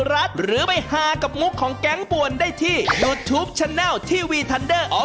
เครื่องบินตกไม่ตายคุณผู้ชมได้หากันแน่